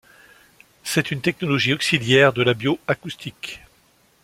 C'est une technologie auxiliaire de la bio-acoustique.